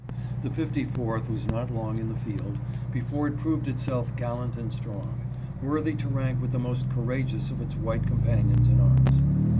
The 54th was not long in the field before it proved itself gal lant and strong, worthy to rank with the most courageous of its white companions in arms.